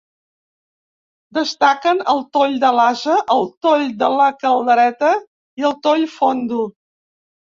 Destaquen el toll de l'Ase, el toll de la Caldereta i el toll Fondo.